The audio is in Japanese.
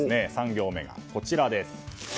３行目がこちらです。